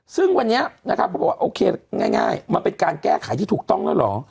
ซึ่งวันนี้นะครับเขาบอกว่าโอเคง่ายมันเป็นการแก้ไขที่ถูกต้องแล้วเหรอ